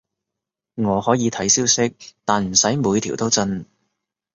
我可以睇消息，但唔使每條都震